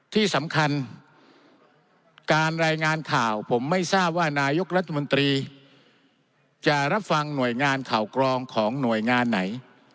ที่สำคัญการรายงานข่าวผมไม่ทราบว่านายกรัฐมนตรีจะรับฟังหน่วยงานข่าวกรองของหน่วยงานไหน